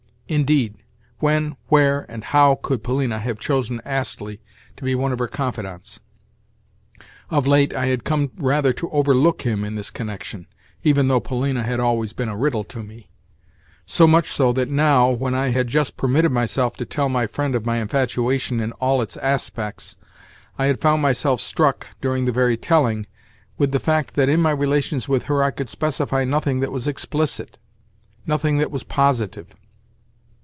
Indeed, when, where, and how could Polina have chosen Astley to be one of her confidants? Of late I had come rather to overlook him in this connection, even though Polina had always been a riddle to me—so much so that now, when I had just permitted myself to tell my friend of my infatuation in all its aspects, I had found myself struck, during the very telling, with the fact that in my relations with her I could specify nothing that was explicit, nothing that was positive.